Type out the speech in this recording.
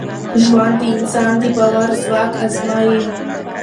ژوند د انسان د باور ځواک ازمېيي.